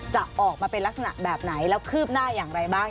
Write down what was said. จะออกมาเป็นลักษณะแบบไหนแล้วคืบหน้าอย่างไรบ้าง